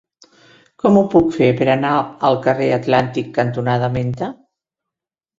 Com ho puc fer per anar al carrer Atlàntic cantonada Menta?